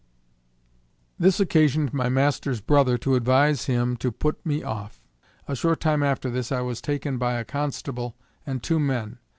This occasioned my master's brother to advise him to put me off. A short time after this I was taken by a constable and two men.